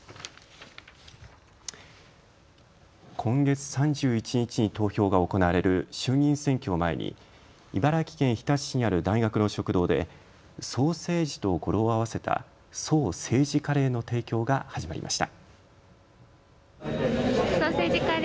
今月３１日に投票が行われる衆議院選挙を前に茨城県日立市にある大学の食堂でソーセージと語呂を合わせたそう、政治カレーの提供が始まりました。